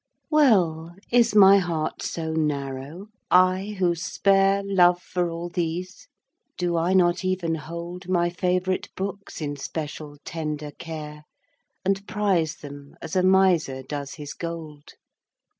Well, is my heart so narrow I, who spare Love for all these? Do I not even hold My favourite books in special tender care, And prize them as a miser does his gold?